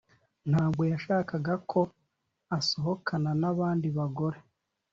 Ntabwo yashakaga ko asohokana nabandi bagore